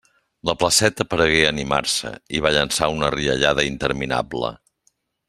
La placeta paregué animar-se, i va llançar una riallada interminable.